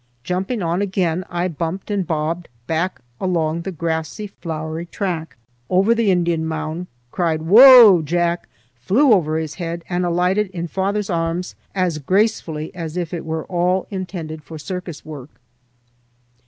Jumping on again, I bumped and bobbed back along the grassy, flowery track, over the Indian mound, cried, "Whoa, Jack!" flew over his head, and alighted in father's arms as gracefully as if it were all intended for circus work.